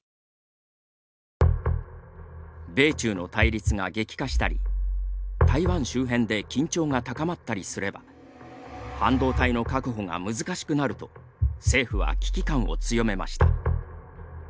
米中の対立が激化したり台湾周辺で緊張が高まったりすれば半導体の確保が難しくなると政府は危機感を強めました。